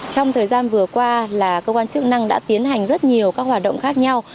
trong thời gian vừa qua là cơ quan chức năng đã tiến hành rất nhiều các hoạt động khác nhau